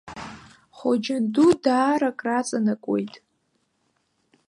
Хоџьан ду даара краҵанакуеит.